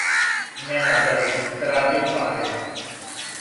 Ненадовић храбри паде